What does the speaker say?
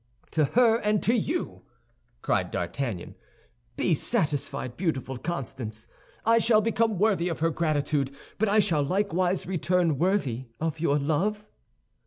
"To her and to you!" cried D'Artagnan. "Be satisfied, beautiful Constance. I shall become worthy of her gratitude; but shall I likewise return worthy of your love?"